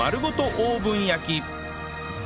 オーブン焼き